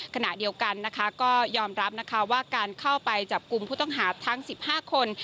ขณะเดียวกันนะคะก็ยอมรับนะคะว่าการเข้าไปจับกลุ่มผู้ต้องหาทั้ง๑๕คน